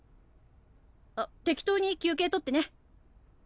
あっ適当に休憩取ってね。